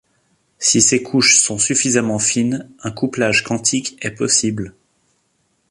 Si ces couches sont suffisamment fines, un couplage quantique est possible.